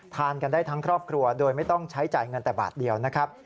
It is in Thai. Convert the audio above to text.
ทานกันได้ทั้งครอบครัวโดยไม่ต้องใช้จ่ายเงินแต่บาทเดียวนะครับ